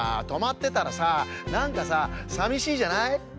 とまってたらさなんかささみしいじゃない。